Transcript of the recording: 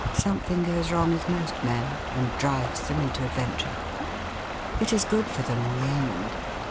Something goes wrong with most men, and drives them into adventure. It is good for them in the end.